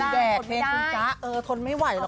เต้นเว้น